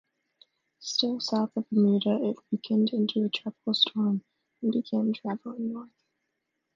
Still south of Bermuda it weakened into a tropical storm and began travelling north.